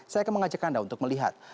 saya akan mengajak anda untuk melihat